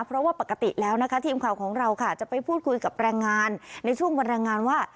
เพราะว่าปกติแล้วนะคะทีมข่าวของเราค่ะจะไปพูดคุยกับแรงงานในช่วงวันแรงงานว่า